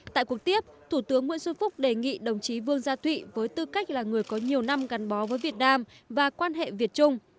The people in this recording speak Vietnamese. tại cuộc tiếp thủ tướng nguyễn xuân phúc đề nghị đồng chí vương gia thụy với tư cách là người có nhiều năm gắn bó với việt nam và quan hệ việt trung